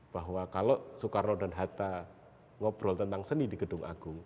bahwa kalau soekarno dan hatta ngobrol tentang seni di gedung agung